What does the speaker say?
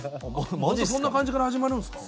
そんな感じから始まるんですか？